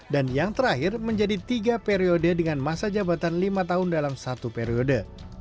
dan yang terakhir menjadi tiga periode dengan masa jabatan lima tahun dalam satu periode